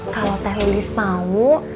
kalau teh lilis mau